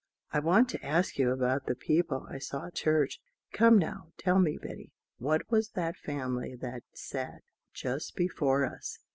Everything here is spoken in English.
I want to ask you about the people I saw at church. Come, now, tell me, Betty, what was that family that sat just before us?"